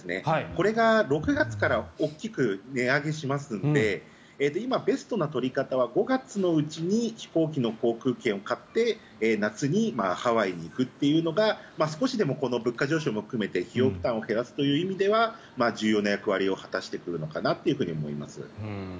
これが６月から大きく値上げしますので今、ベストな取り方は５月のうちに飛行機の航空券を買って夏にハワイに行くというのが少しでも物価上昇も含めて費用負担を減らすという意味では重要な役割を果たしてくるのかなと思います。